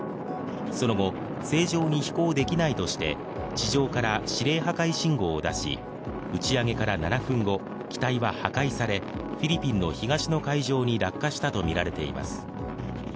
その後正常に飛行できないとして地上から指令破壊信号を出し、打ち上げから７分後、機体は破壊されフィリピンの東の海上に落下したとみられています。